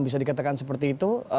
bisa dikatakan seperti itu